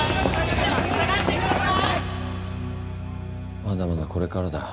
まだまだこれからだ。